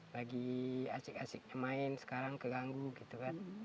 lagi asik asik main sekarang keganggu gitu kan